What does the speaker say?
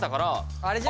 あれじゃね？